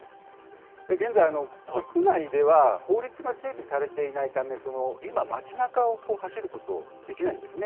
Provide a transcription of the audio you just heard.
現在、国内では法律が整備されていないため、今、街なかを走ることはできないんですね。